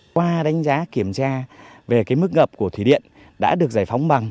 qua đánh giá kiểm tra về cái mức ngập của thủy điện đã được giải phóng bằng